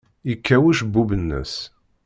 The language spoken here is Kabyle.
Yekkaw ucebbub-nnes.